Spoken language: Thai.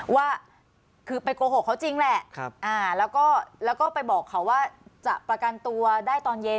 ว่าคือไปโกหกเขาจริงแหละแล้วก็ไปบอกเขาว่าจะประกันตัวได้ตอนเย็น